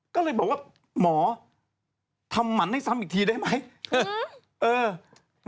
ก็เลยบอกว่าหมอทำหมันให้ซ้ำอีกทีได้ไหม